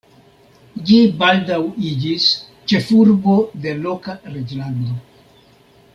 Ĝi baldaŭ iĝis ĉefurbo de loka reĝlando.